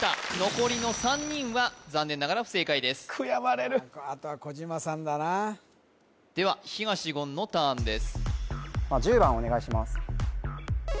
残りの３人は残念ながら不正解です悔やまれるあとは小島さんだなでは東言のターンです１０番お願いします